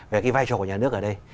về cái vai trò của nhà nước ở đây